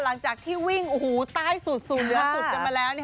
หลังจากที่วิ่งใต้สุดสู่เหนือสุดกันมาแล้ว